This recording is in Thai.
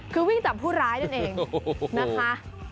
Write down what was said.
คือวิ่งจับผู้ร้ายนั่นเองนะคะ